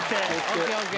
ＯＫＯＫ！